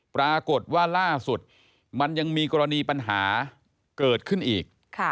ปรากฏว่าล่าสุดมันยังมีกรณีปัญหาเกิดขึ้นอีก